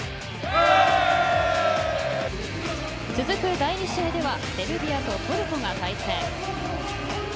続く第２試合ではセルビアとトルコが対戦。